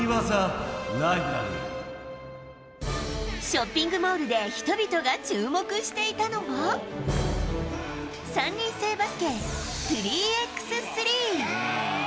ショッピングモールで人々が注目していたのは、３人制バスケ３ｘ３。